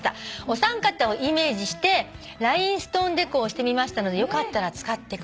「お三方をイメージしてラインストーンデコをしてみましたのでよかったら使ってください」